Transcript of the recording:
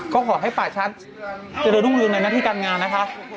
ก็ขอให้ปากชาติจะโดนลุ่มในหน้าการงานนะคะ